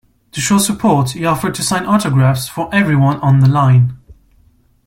To show support he offered to sign autographs for everyone on the line.